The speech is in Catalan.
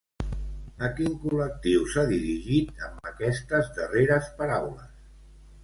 A quin col·lectiu s'ha dirigit amb aquestes darreres paraules?